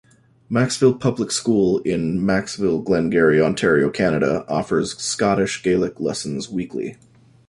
Maxville Public School in Maxville, Glengarry, Ontario, Canada offers Scottish Gaelic lessons weekly.